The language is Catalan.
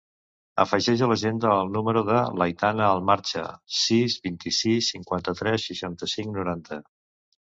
Afegeix a l'agenda el número de l'Aitana Almarcha: sis, vint-i-sis, cinquanta-tres, seixanta-cinc, noranta.